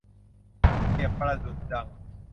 เปรียบประดุจดัง